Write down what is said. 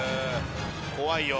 怖いよ。